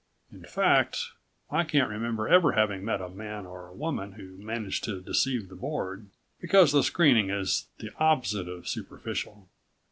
In fact ... I can't remember ever having met a man or woman who managed to deceive the Board, because the screening is the opposite of superficial.